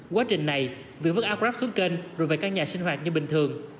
quá trình này việt vứt áo grab xuống kênh rồi về căn nhà sinh hoạt như bình thường